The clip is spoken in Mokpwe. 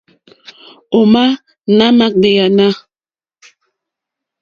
Ò má nà mà ɡbèáná.